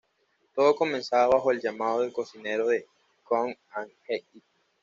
Todo comenzaba bajo el llamado del cocinero de “"come and get it!